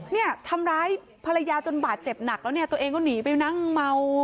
เนี่ยทำร้ายภรรยาจนบาดเจ็บหนักแล้วเนี่ยตัวเองก็หนีไปนั่งเมา